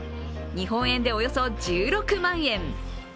日本円でおよそ１６万円。